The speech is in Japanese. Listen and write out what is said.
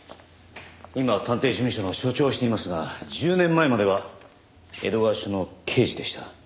今は探偵事務所の所長をしていますが１０年前までは江戸川署の刑事でした。